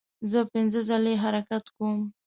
زه پنځه ځلې حرکت کوم.